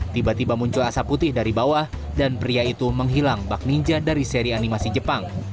tiba tiba muncul asap putih dari bawah dan pria itu menghilang bak ninja dari seri animasi jepang